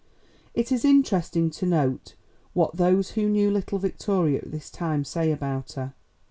It is interesting to note what those who knew little Victoria at this time say about her.